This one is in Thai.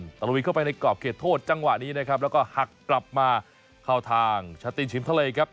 ตะลุยเข้าไปในกรอบเขตโทษจังหวะนี้นะครับแล้วก็หักกลับมาเข้าทางชาตินชิมทะเลครับ